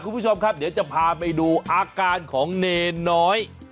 คุณผู้ชมครับเดี๋ยวจะพาไปดูอาการของเนรน้อย